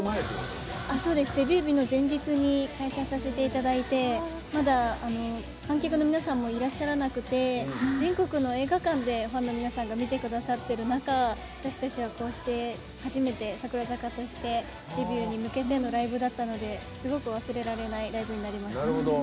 デビュー日の前日に開催させていただいてまだ観客の皆さんもいらっしゃらなくて全国の映画館でファンの皆さんが見てくださってる中私たちはこうして初めて櫻坂としてデビューに向けてのライブだったのですごく忘れられないライブになりました。